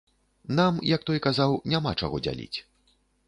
Нам, як той казаў, няма чаго дзяліць.